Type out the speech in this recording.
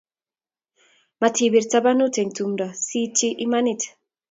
Matipir tabanut eng' tumdo siitchi imanit